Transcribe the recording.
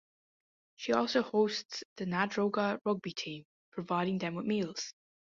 She also hosts the Nadroga rugby team, providing them with meals.